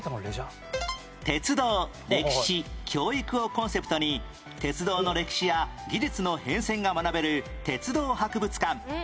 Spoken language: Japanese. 鉄道歴史教育をコンセプトに鉄道の歴史や技術の変遷が学べる鉄道博物館